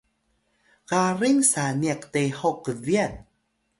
garing saniq tehok gbyan